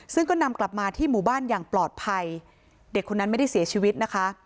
ซึ่งก็นำกลับมาที่หมู่บ้านอย่างปลอดภัยเด็กคนนั้นไม่ได้เสียชีวิตนะคะ